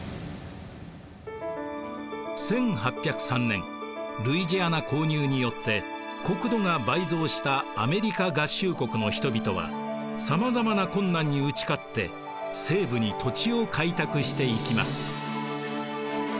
１８０３年ルイジアナ購入によって国土が倍増したアメリカ合衆国の人々はさまざまな困難に打ち勝って西部に土地を開拓していきます。